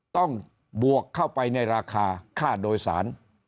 ต้องบวกเข้าไปในราคาค่าโดยสาร